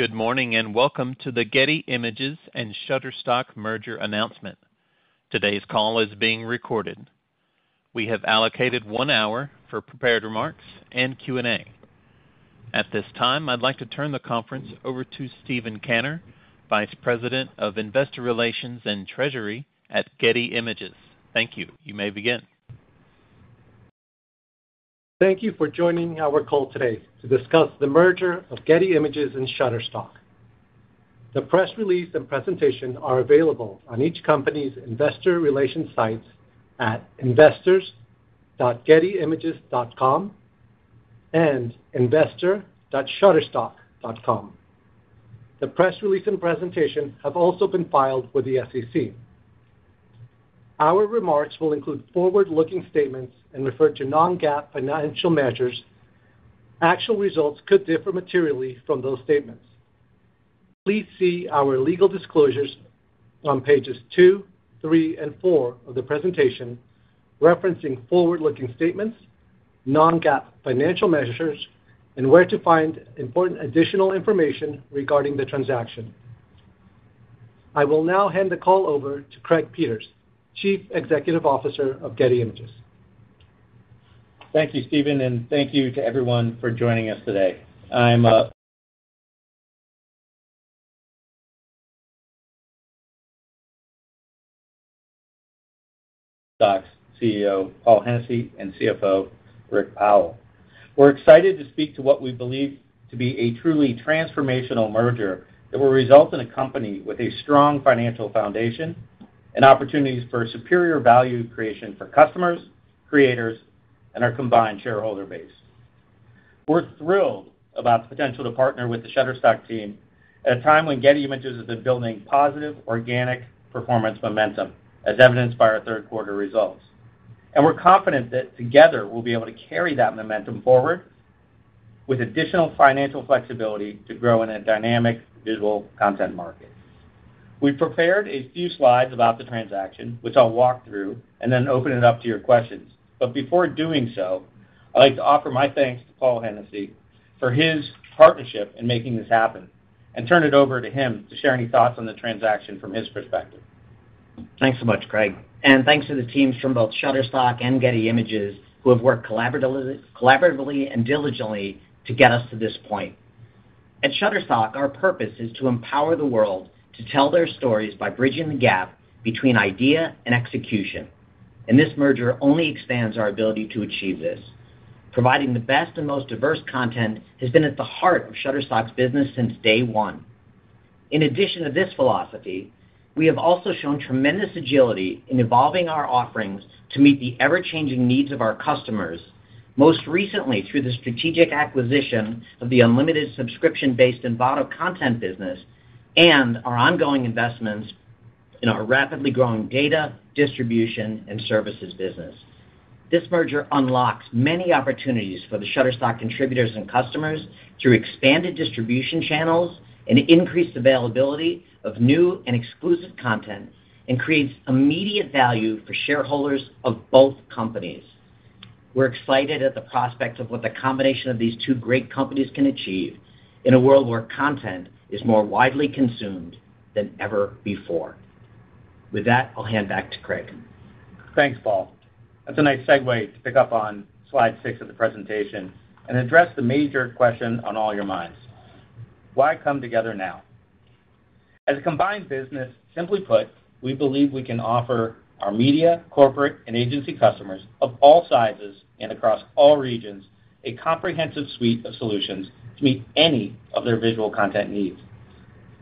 Good morning and welcome to the Getty Images and Shutterstock merger announcement. Today's call is being recorded. We have allocated one hour for prepared remarks and Q&A. At this time, I'd like to turn the conference over to Steven Kanner, Vice President of Investor Relations and Treasury at Getty Images. Thank you. You may begin. Thank you for joining our call today to discuss the merger of Getty Images and Shutterstock. The press release and presentation are available on each company's investor relations sites at investors.gettyimages.com and investor.shutterstock.com. The press release and presentation have also been filed with the SEC. Our remarks will include forward-looking statements and refer to Non-GAAP financial measures. Actual results could differ materially from those statements. Please see our legal disclosures on pages two, three, and four of the presentation referencing forward-looking statements, Non-GAAP financial measures, and where to find important additional information regarding the transaction. I will now hand the call over to Craig Peters, Chief Executive Officer of Getty Images. Thank you, Steven, and thank you to everyone for joining us today. I'm Shutterstock's CEO, Paul Hennessy, and CFO, Rik Powell. We're excited to speak to what we believe to be a truly transformational merger that will result in a company with a strong financial foundation and opportunities for superior value creation for customers, creators, and our combined shareholder base. We're thrilled about the potential to partner with the Shutterstock team at a time when Getty Images has been building positive, organic performance momentum, as evidenced by our third-quarter results. We're confident that together we'll be able to carry that momentum forward with additional financial flexibility to grow in a dynamic visual content market. We've prepared a few slides about the transaction, which I'll walk through, and then open it up to your questions. But before doing so, I'd like to offer my thanks to Paul Hennessy for his partnership in making this happen and turn it over to him to share any thoughts on the transaction from his perspective. Thanks so much, Craig. And thanks to the teams from both Shutterstock and Getty Images who have worked collaboratively and diligently to get us to this point. At Shutterstock, our purpose is to empower the world to tell their stories by bridging the gap between idea and execution. And this merger only expands our ability to achieve this. Providing the best and most diverse content has been at the heart of Shutterstock's business since day one. In addition to this philosophy, we have also shown tremendous agility in evolving our offerings to meet the ever-changing needs of our customers, most recently through the strategic acquisition of the unlimited subscription-based Envato content business and our ongoing investments in our rapidly growing Data, Distribution and Services business. This merger unlocks many opportunities for the Shutterstock contributors and customers through expanded distribution channels and increased availability of new and exclusive content and creates immediate value for shareholders of both companies. We're excited at the prospect of what the combination of these two great companies can achieve in a world where content is more widely consumed than ever before. With that, I'll hand back to Craig. Thanks, Paul. That's a nice segue to pick up on slide six of the presentation and address the major question on all your minds: Why come together now? As a combined business, simply put, we believe we can offer our media, corporate, and agency customers of all sizes and across all regions a comprehensive suite of solutions to meet any of their visual content needs.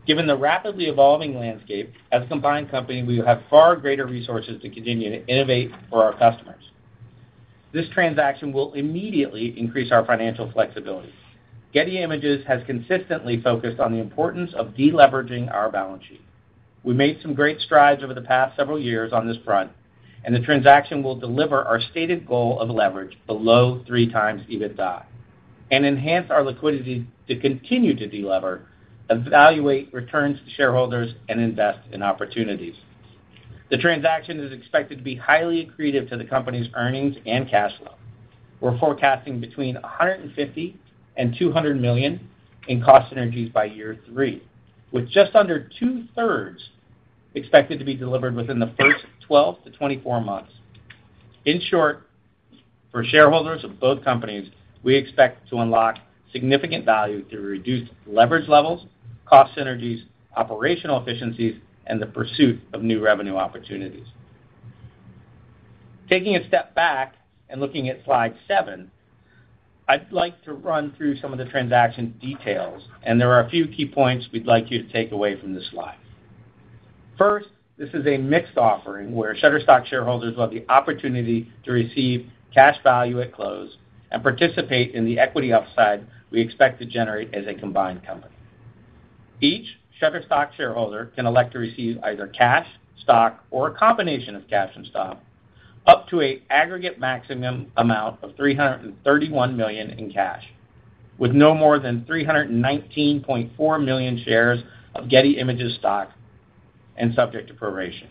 Given the rapidly evolving landscape, as a combined company, we have far greater resources to continue to innovate for our customers. This transaction will immediately increase our financial flexibility. Getty Images has consistently focused on the importance of deleveraging our balance sheet. We made some great strides over the past several years on this front, and the transaction will delever our stated goal of leverage below 3x EBITDA and enhance our liquidity to continue to delever, evaluate returns to shareholders, and invest in opportunities. The transaction is expected to be highly accretive to the company's earnings and cash flow. We're forecasting between $150 million-$200 million in cost synergies by year three, with just under 2/3 expected to be delivered within the first 12 to 24 months. In short, for shareholders of both companies, we expect to unlock significant value through reduced leverage levels, cost synergies, operational efficiencies, and the pursuit of new revenue opportunities. Taking a step back and looking at slide seven, I'd like to run through some of the transaction details, and there are a few key points we'd like you to take away from this slide. First, this is a mixed offering where Shutterstock shareholders will have the opportunity to receive cash value at close and participate in the equity upside we expect to generate as a combined company. Each Shutterstock shareholder can elect to receive either cash, stock, or a combination of cash and stock up to an aggregate maximum amount of $331 million in cash, with no more than 319.4 million shares of Getty Images stock and subject to proration.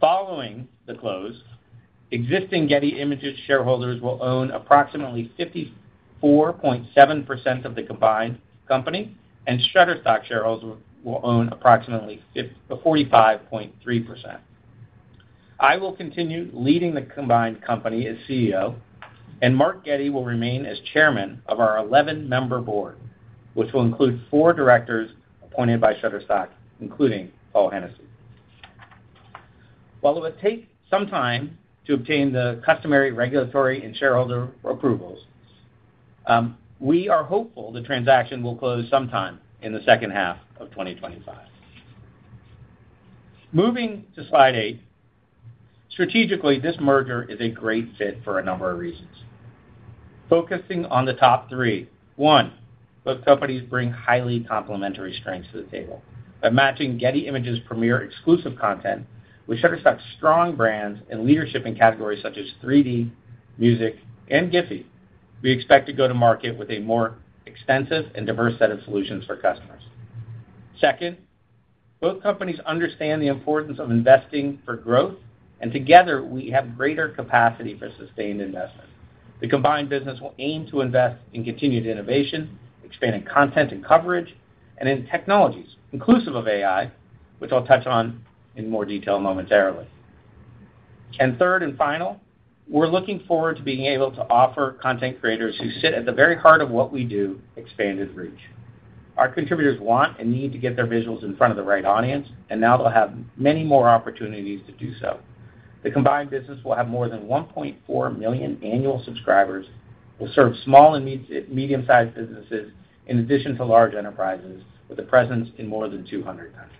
Following the close, existing Getty Images shareholders will own approximately 54.7% of the combined company, and Shutterstock shareholders will own approximately 45.3%. I will continue leading the combined company as CEO, and Mark Getty will remain as chairman of our 11-member board, which will include four directors appointed by Shutterstock, including Paul Hennessy. While it will take some time to obtain the customary regulatory and shareholder approvals, we are hopeful the transaction will close sometime in the second half of 2025. Moving to slide eight, strategically, this merger is a great fit for a number of reasons. Focusing on the top three, one, both companies bring highly complementary strengths to the table. By matching Getty Images' premier exclusive content with Shutterstock's strong brands and leadership in categories such as 3D, music, and GIPHY, we expect to go to market with a more extensive and diverse set of solutions for customers. Second, both companies understand the importance of investing for growth, and together we have greater capacity for sustained investment. The combined business will aim to invest in continued innovation, expanding content and coverage, and in technologies inclusive of AI, which I'll touch on in more detail momentarily. And third and final, we're looking forward to being able to offer content creators who sit at the very heart of what we do expanded reach. Our contributors want and need to get their visuals in front of the right audience, and now they'll have many more opportunities to do so. The combined business will have more than 1.4 million annual subscribers, will serve small and medium-sized businesses in addition to large enterprises with a presence in more than 200 countries.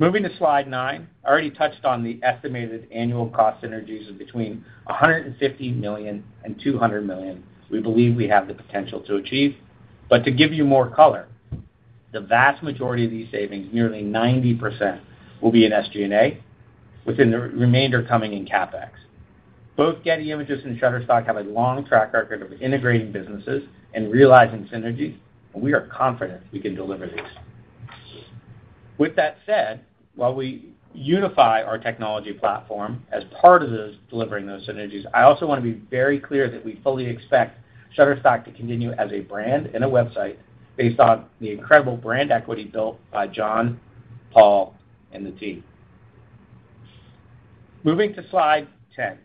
Moving to slide nine, I already touched on the estimated annual cost synergies of between $150 million and $200 million we believe we have the potential to achieve. But to give you more color, the vast majority of these savings, nearly 90%, will be in SG&A, with the remainder coming in CapEx. Both Getty Images and Shutterstock have a long track record of integrating businesses and realizing synergies, and we are confident we can deliver these. With that said, while we unify our technology platform as part of delivering those synergies, I also want to be very clear that we fully expect Shutterstock to continue as a brand and a website based on the incredible brand equity built by Jon, Paul, and the team. Moving to slide 10,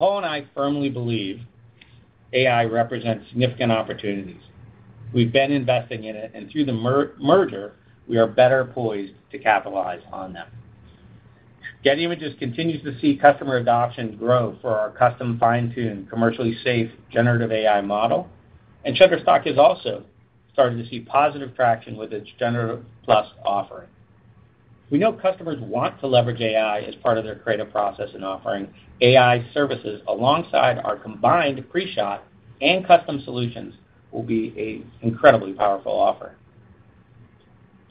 Paul and I firmly believe AI represents significant opportunities. We've been investing in it, and through the merger, we are better poised to capitalize on them. Getty Images continues to see customer adoption grow for our custom-fine-tuned, commercially safe generative AI model, and Shutterstock has also started to see positive traction with its generative plus offering. We know customers want to leverage AI as part of their creative process and offering. AI services alongside our combined pre-shot and custom solutions will be an incredibly powerful offer.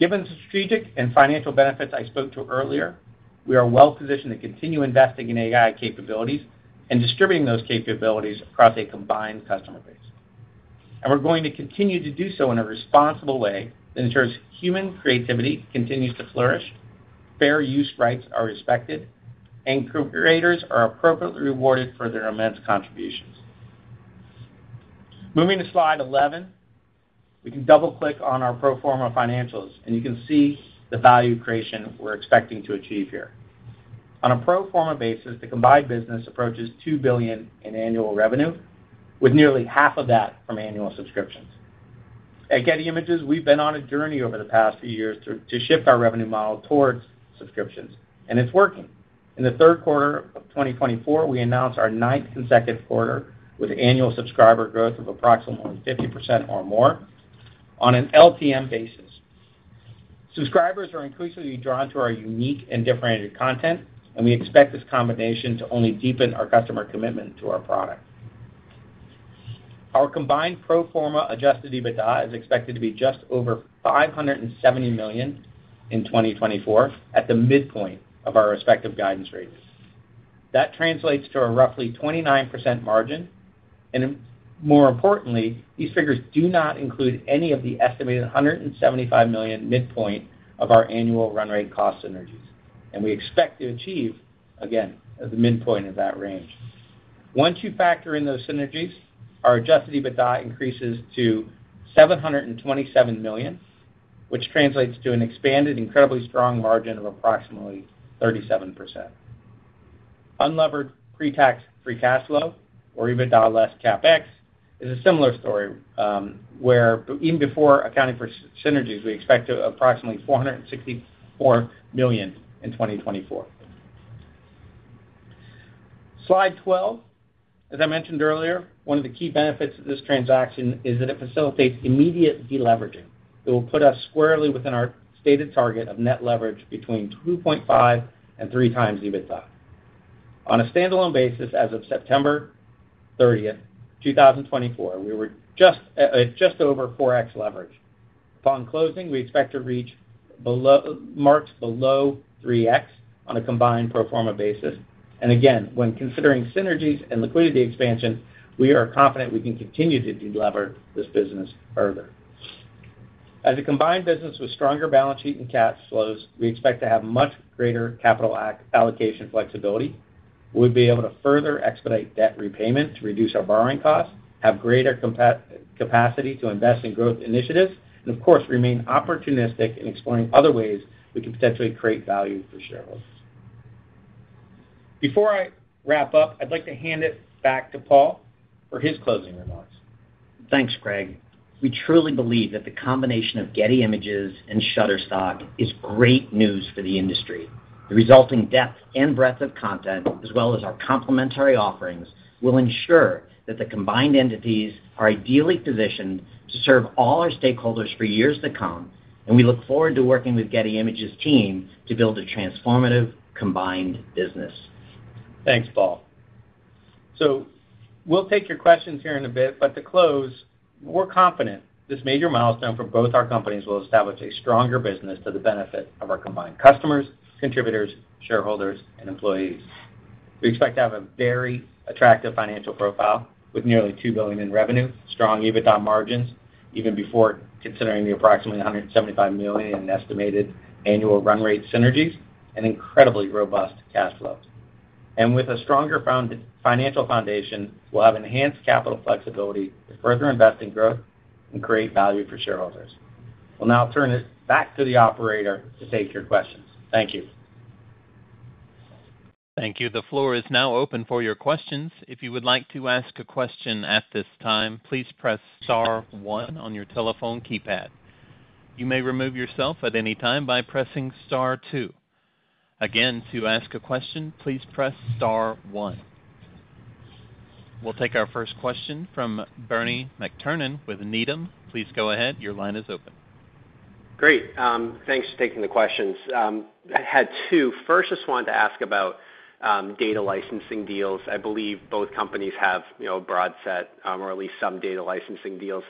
Given the strategic and financial benefits I spoke to earlier, we are well-positioned to continue investing in AI capabilities and distributing those capabilities across a combined customer base, and we're going to continue to do so in a responsible way that ensures human creativity continues to flourish, fair use rights are respected, and creators are appropriately rewarded for their immense contributions. Moving to slide 11, we can double-click on our pro forma financials, and you can see the value creation we're expecting to achieve here. On a pro forma basis, the combined business approaches $2 billion in annual revenue, with nearly half of that from annual subscriptions. At Getty Images, we've been on a journey over the past few years to shift our revenue model towards subscriptions, and it's working. In the third quarter of 2024, we announced our ninth consecutive quarter with annual subscriber growth of approximately 50% or more on an LTM basis. Subscribers are increasingly drawn to our unique and differentiated content, and we expect this combination to only deepen our customer commitment to our product. Our combined pro forma adjusted EBITDA is expected to be just over $570 million in 2024 at the midpoint of our respective guidance rates. That translates to a roughly 29% margin, and more importantly, these figures do not include any of the estimated $175 million midpoint of our annual run rate cost synergies, and we expect to achieve, again, at the midpoint of that range. Once you factor in those synergies, our adjusted EBITDA increases to $727 million, which translates to an expanded, incredibly strong margin of approximately 37%. Unleveraged pre-tax free cash flow, or EBITDA less CapEx, is a similar story where, even before accounting for synergies, we expect to approximately $464 million in 2024. Slide 12, as I mentioned earlier, one of the key benefits of this transaction is that it facilitates immediate deleveraging. It will put us squarely within our stated target of net leverage between 2.5x and 3x EBITDA. On a standalone basis, as of September 30th, 2024, we were just over 4x leverage. Upon closing, we expect to reach marks below 3x on a combined pro forma basis. Again, when considering synergies and liquidity expansion, we are confident we can continue to deleverage this business further. As a combined business with stronger balance sheet and cash flows, we expect to have much greater capital allocation flexibility. We'll be able to further expedite debt repayment to reduce our borrowing costs, have greater capacity to invest in growth initiatives, and, of course, remain opportunistic in exploring other ways we can potentially create value for shareholders. Before I wrap up, I'd like to hand it back to Paul for his closing remarks. Thanks, Craig. We truly believe that the combination of Getty Images and Shutterstock is great news for the industry. The resulting depth and breadth of content, as well as our complementary offerings, will ensure that the combined entities are ideally positioned to serve all our stakeholders for years to come, and we look forward to working with Getty Images' team to build a transformative combined business. Thanks, Paul. So we'll take your questions here in a bit, but to close, we're confident this major milestone for both our companies will establish a stronger business to the benefit of our combined customers, contributors, shareholders, and employees. We expect to have a very attractive financial profile with nearly $2 billion in revenue, strong EBITDA margins, even before considering the approximately $175 million in estimated annual run rate synergies, and incredibly robust cash flows, and with a stronger financial foundation, we'll have enhanced capital flexibility to further invest in growth and create value for shareholders. We'll now turn it back to the operator to take your questions. Thank you. Thank you. The floor is now open for your questions. If you would like to ask a question at this time, please press star one on your telephone keypad. You may remove yourself at any time by pressing star two. Again, to ask a question, please press star one. We'll take our first question from Bernie McTernan with Needham. Please go ahead. Your line is open. Great. Thanks for taking the questions. I had two. First, I just wanted to ask about data licensing deals. I believe both companies have a broad set, or at least some data licensing deals.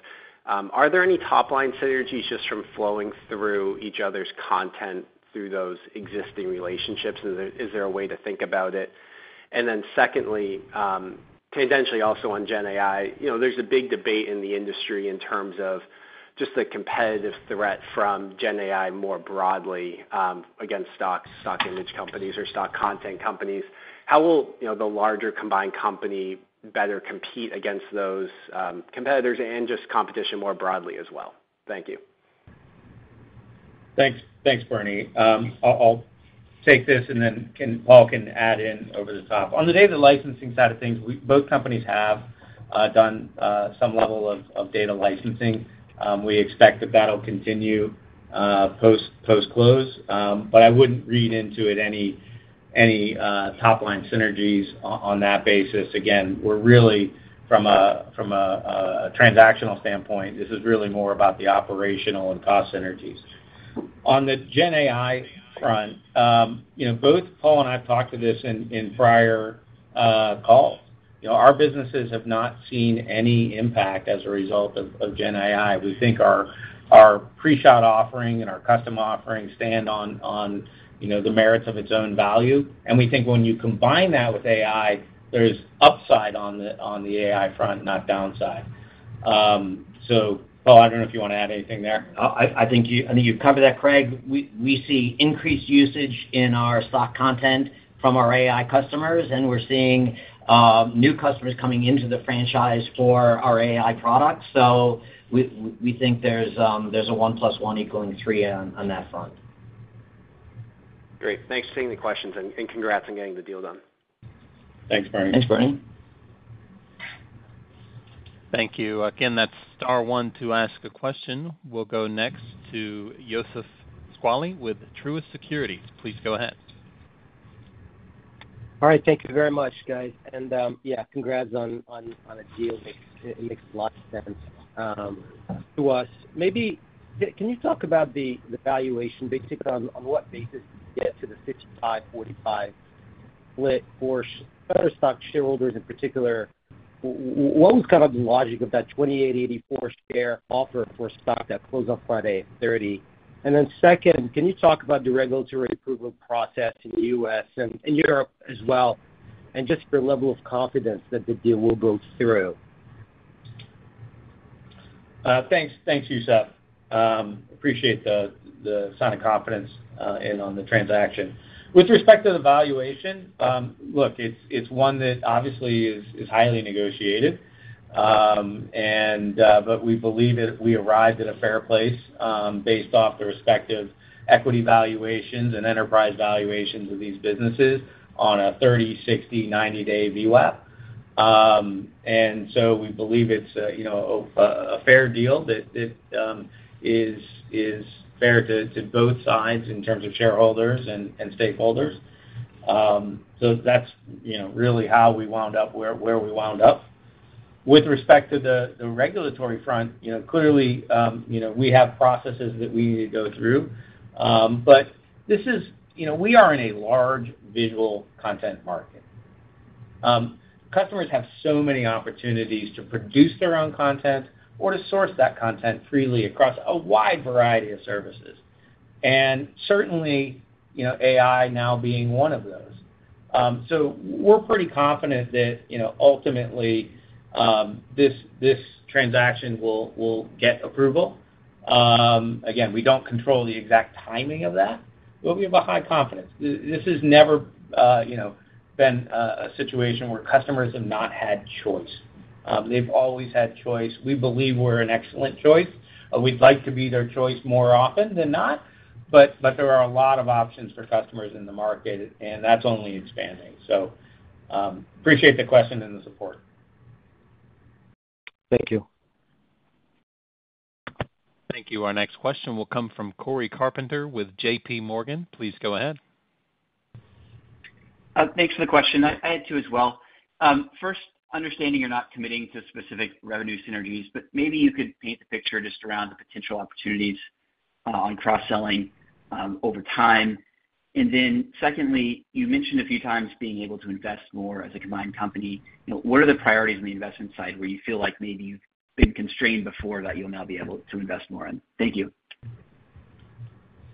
Are there any top-line synergies just from flowing through each other's content through those existing relationships? Is there a way to think about it? And then secondly, tangentially also on GenAI, there's a big debate in the industry in terms of just the competitive threat from GenAI more broadly against stock image companies or stock content companies. How will the larger combined company better compete against those competitors and just competition more broadly as well? Thank you. Thanks, Bernie. I'll take this, and then Paul can add in over the top. On the data licensing side of things, both companies have done some level of data licensing. We expect that that'll continue post-close, but I wouldn't read into it any top-line synergies on that basis. Again, we're really, from a transactional standpoint, this is really more about the operational and cost synergies. On the GenAI front, both Paul and I have talked to this in prior calls. Our businesses have not seen any impact as a result of GenAI. We think our pre-shot offering and our custom offering stand on the merits of its own value, and we think when you combine that with AI, there's upside on the AI front, not downside. So, Paul, I don't know if you want to add anything there. I think you've covered that, Craig. We see increased usage in our stock content from our AI customers, and we're seeing new customers coming into the franchise for our AI products. So we think there's a 1 plus 1 equaling 3 on that front. Great. Thanks for taking the questions and congrats on getting the deal done. Thanks, Bernie. Thanks, Bernie. Thank you. Again, that's star one to ask a question. We'll go next to Youssef Squali with Truist Securities. Please go ahead. All right. Thank you very much, guys. And yeah, congrats on a deal. It makes a lot of sense to us. Maybe can you talk about the valuation, basically on what basis you get to the 55/45 split for Shutterstock shareholders in particular? What was kind of the logic of that $28.84 share offer for stock that closed on Friday at $30? And then second, can you talk about the regulatory approval process in the U.S. and Europe as well, and just your level of confidence that the deal will go through? Thanks, Youssef. Appreciate the sign of confidence in the transaction. With respect to the valuation, look, it's one that obviously is highly negotiated, but we believe that we arrived at a fair place based off the respective equity valuations and enterprise valuations of these businesses on a 30, 60, 90-day VWAP. And so we believe it's a fair deal that is fair to both sides in terms of shareholders and stakeholders. So that's really how we wound up where we wound up. With respect to the regulatory front, clearly we have processes that we need to go through, but this is, we are in a large visual content market. Customers have so many opportunities to produce their own content or to source that content freely across a wide variety of services, and certainly AI now being one of those. So we're pretty confident that ultimately this transaction will get approval. Again, we don't control the exact timing of that, but we have a high confidence. This has never been a situation where customers have not had choice. They've always had choice. We believe we're an excellent choice. We'd like to be their choice more often than not, but there are a lot of options for customers in the market, and that's only expanding. So appreciate the question and the support. Thank you. Thank you. Our next question will come from Corey Carpenter with JPMorgan. Please go ahead. Thanks for the question. I had two as well. First, understanding you're not committing to specific revenue synergies, but maybe you could paint the picture just around the potential opportunities on cross-selling over time. And then secondly, you mentioned a few times being able to invest more as a combined company. What are the priorities on the investment side where you feel like maybe you've been constrained before that you'll now be able to invest more in? Thank you.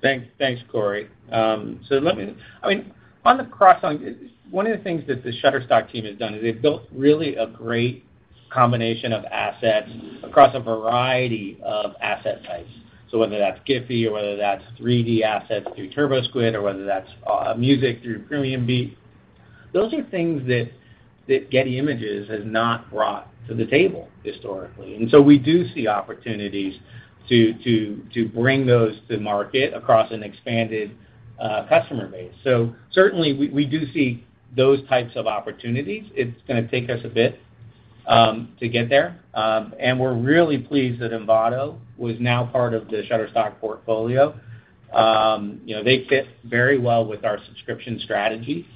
Thanks, Corey, so I mean, on the cross-selling, one of the things that the Shutterstock team has done is they've built really a great combination of assets across a variety of asset types, so whether that's GIPHY or whether that's 3D assets through TurboSquid or whether that's music through PremiumBeat, those are things that Getty Images has not brought to the table historically, and so we do see opportunities to bring those to market across an expanded customer base, so certainly we do see those types of opportunities. It's going to take us a bit to get there, and we're really pleased that Envato was now part of the Shutterstock portfolio. They fit very well with our subscription strategy,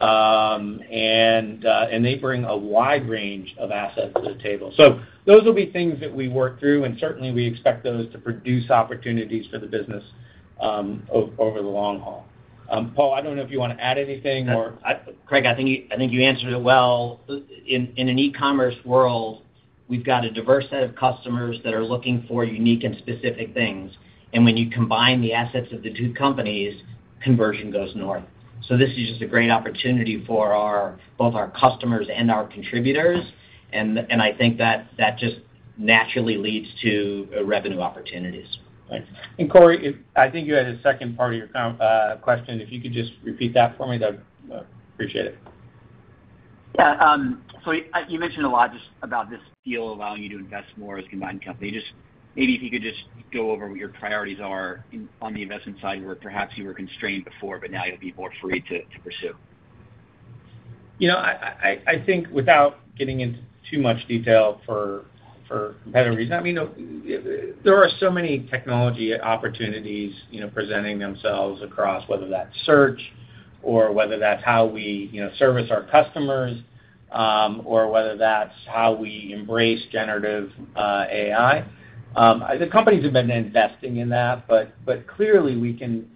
and they bring a wide range of assets to the table. So those will be things that we work through, and certainly we expect those to produce opportunities for the business over the long haul. Paul, I don't know if you want to add anything or. Craig, I think you answered it well. In an e-commerce world, we've got a diverse set of customers that are looking for unique and specific things, and when you combine the assets of the two companies, conversion goes north, so this is just a great opportunity for both our customers and our contributors, and I think that just naturally leads to revenue opportunities. Corey, I think you had a second part of your question. If you could just repeat that for me, I'd appreciate it. Yeah. So you mentioned a lot just about this deal allowing you to invest more as a combined company. Just maybe if you could just go over what your priorities are on the investment side where perhaps you were constrained before, but now you'll be more free to pursue. You know, I think without getting into too much detail for competitive reasons, I mean, there are so many technology opportunities presenting themselves across whether that's search or whether that's how we service our customers or whether that's how we embrace generative AI. The companies have been investing in that, but clearly we can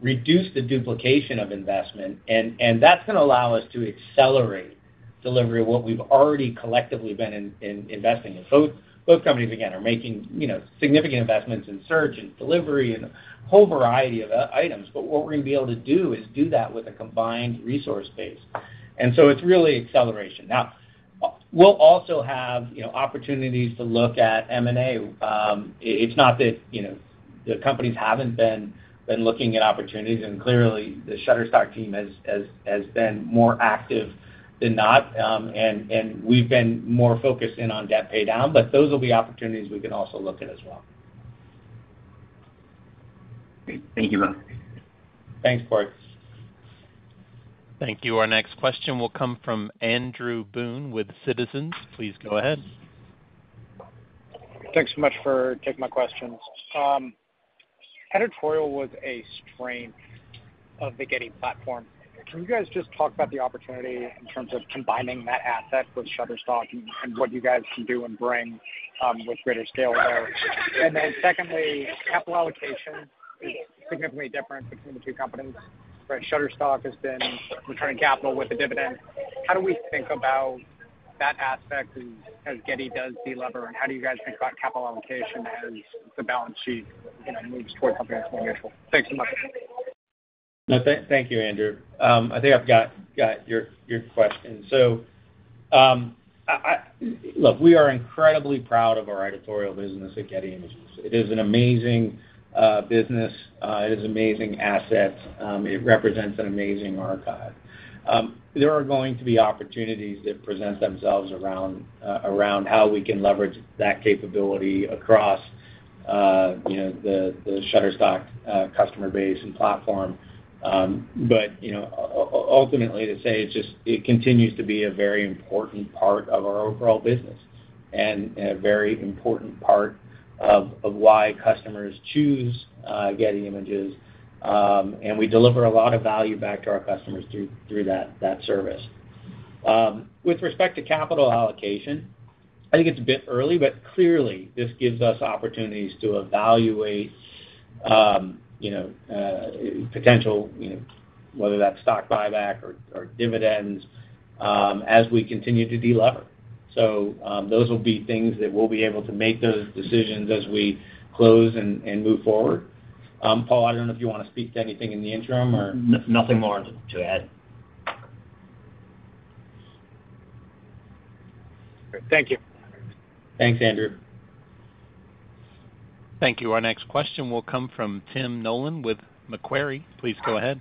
reduce the duplication of investment, and that's going to allow us to accelerate delivery of what we've already collectively been investing in. So both companies, again, are making significant investments in search and delivery and a whole variety of items, but what we're going to be able to do is do that with a combined resource base. And so it's really acceleration. Now, we'll also have opportunities to look at M&A. It's not that the companies haven't been looking at opportunities, and clearly the Shutterstock team has been more active than not, and we've been more focused in on debt paydown, but those will be opportunities we can also look at as well. Thank you both. Thanks, Corey. Thank you. Our next question will come from Andrew Boone with Citizens. Please go ahead. Thanks so much for taking my questions. Editorial was a strength of the Getty platform. Can you guys just talk about the opportunity in terms of combining that asset with Shutterstock and what you guys can do and bring with greater scale there? And then secondly, capital allocation is significantly different between the two companies. Shutterstock has been returning capital with a dividend. How do we think about that aspect as Getty does delever, and how do you guys think about capital allocation as the balance sheet moves towards something that's more neutral? Thanks so much. Thank you, Andrew. I think I've got your question. So look, we are incredibly proud of our editorial business at Getty Images. It is an amazing business. It is amazing assets. It is amazing archive. There are going to be opportunities that present themselves around how we can leverage that capability across the Shutterstock customer base and platform. But ultimately, to say, it just continues to be a very important part of our overall business and a very important part of why customers choose Getty Images. And we deliver a lot of value back to our customers through that service. With respect to capital allocation, I think it's a bit early, but clearly this gives us opportunities to evaluate potential, whether that's stock buyback or dividends, as we continue to delever. So those will be things that we'll be able to make those decisions as we close and move forward. Paul, I don't know if you want to speak to anything in the interim or. Nothing more to add. Thank you. Thanks, Andrew. Thank you. Our next question will come from Tim Nollen with Macquarie. Please go ahead.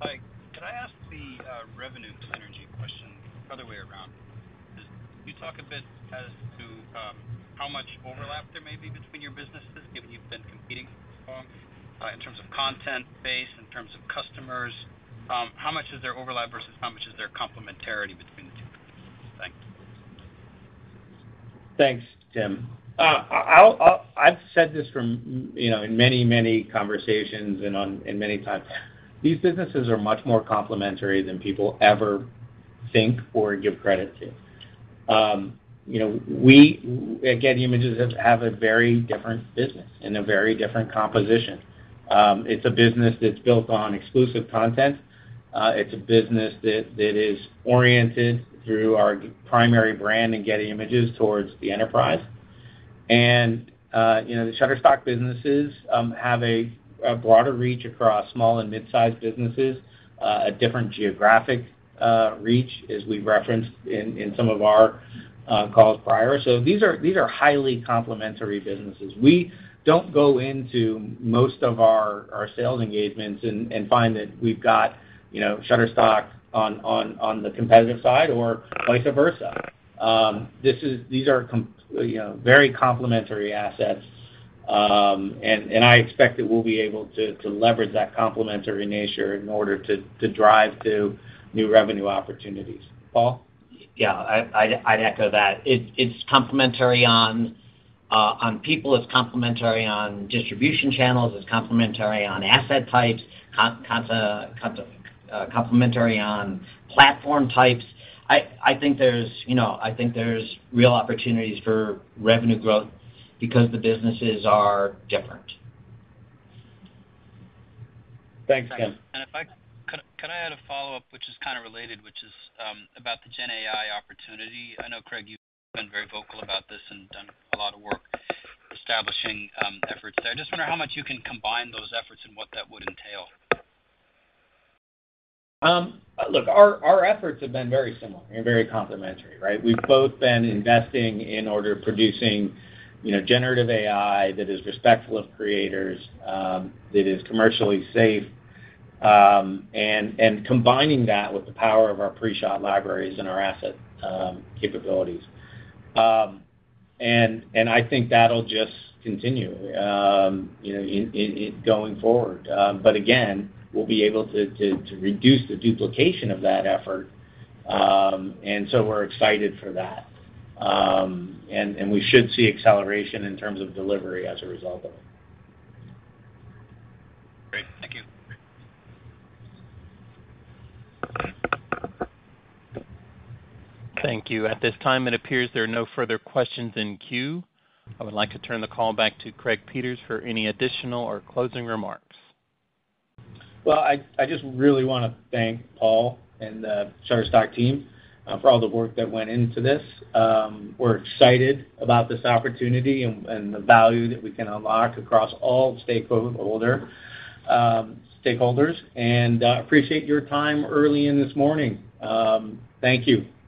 Hi. Can I ask the revenue synergy question the other way around? Can you talk a bit as to how much overlap there may be between your businesses given you've been competing so long in terms of content base, in terms of customers? How much is there overlap versus how much is there complementarity between the two? Thanks. Thanks, Tim. I've said this in many, many conversations and in many times. These businesses are much more complementary than people ever think or give credit to. We, at Getty Images, have a very different business and a very different composition. It's a business that's built on exclusive content. It's a business that is oriented through our primary brand and Getty Images towards the enterprise. And the Shutterstock businesses have a broader reach across small and mid-sized businesses, a different geographic reach, as we've referenced in some of our calls prior. So these are highly complementary businesses. We don't go into most of our sales engagements and find that we've got Shutterstock on the competitive side or vice versa. These are very complementary assets, and I expect that we'll be able to leverage that complementary nature in order to drive to new revenue opportunities. Paul? Yeah. I'd echo that. It's complementary on people. It's complementary on distribution channels. It's complementary on asset types. It's complementary on platform types. I think there's real opportunities for revenue growth because the businesses are different. Thanks, Tim. Can I add a follow-up, which is kind of related, which is about the GenAI opportunity? I know, Craig, you've been very vocal about this and done a lot of work establishing efforts there. I just wonder how much you can combine those efforts and what that would entail? Look, our efforts have been very similar and very complementary, right? We've both been investing in order to produce generative AI that is respectful of creators, that is commercially safe, and combining that with the power of our pre-shot libraries and our asset capabilities. And I think that'll just continue going forward. But again, we'll be able to reduce the duplication of that effort. And so we're excited for that. And we should see acceleration in terms of delivery as a result of it. Great. Thank you. Thank you. At this time, it appears there are no further questions in queue. I would like to turn the call back to Craig Peters for any additional or closing remarks. I just really want to thank Paul and the Shutterstock team for all the work that went into this. We're excited about this opportunity and the value that we can unlock across all stakeholders. We appreciate your time early in this morning. Thank you.